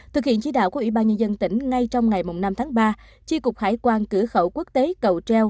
thực hiện chỉ đạo của ubnd tỉnh ngay trong ngày năm tháng ba tri cục hải quan cửa khẩu quốc tế cầu treo